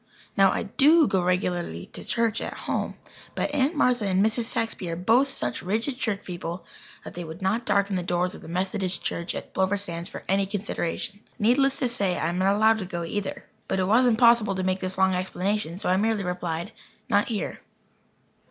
Now, I do go regularly to church at home. But Aunt Martha and Mrs. Saxby are both such rigid church people that they would not darken the doors of the Methodist church at Plover Sands for any consideration. Needless to say, I am not allowed to go either. But it was impossible to make this long explanation, so I merely replied: "Not here."